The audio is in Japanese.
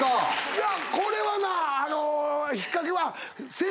いやこれはなあの引っかけは。